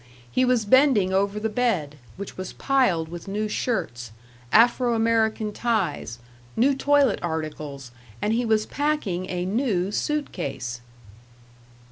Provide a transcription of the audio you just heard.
He was bending over the bed, which was piled with new shirts, Afro American ties, new toilet articles, and he was packing a new suit case.